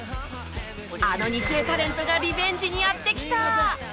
あの２世タレントがリベンジにやって来た！